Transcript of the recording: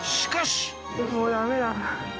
もうだめだ。